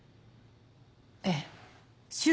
ええ。